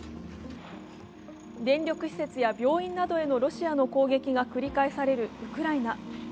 電力施設や病院などへのロシアの攻撃が繰り返されるウクライナ。